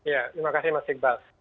ya terima kasih mas iqbal